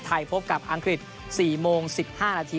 พบกับอังกฤษ๔โมง๑๕นาที